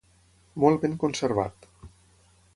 Molt ben conservat.